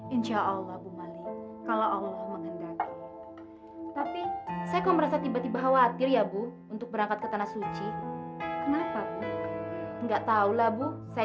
insya allah kami nanti ikut mengantarkan pendapatan pak hasan